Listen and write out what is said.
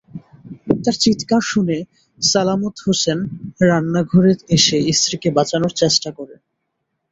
তাঁর চিৎকার শুনে সালামত হোসেন রান্নাঘরে এসে স্ত্রীকে বাঁচানোর চেষ্টা করেন।